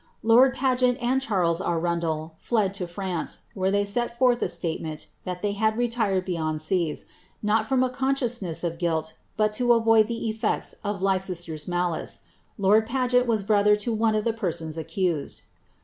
Lord Paget and Charles Arundel fled to France, where they set forth a statement that they had retired beyond seas, not from a consciousness of guilt, but to avoid the effects of Leicester's malice. Lord Paget was brother to one of the persons accused.